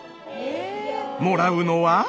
もらうのは。